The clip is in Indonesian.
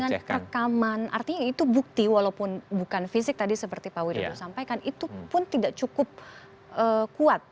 dengan rekaman artinya itu bukti walaupun bukan fisik tadi seperti pak wirido sampaikan itu pun tidak cukup kuat